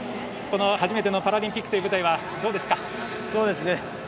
初めてのパラリンピックという舞台はどうですか？